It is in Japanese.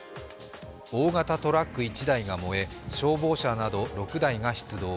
大型トラック１台が燃え、消防車など６台が出場。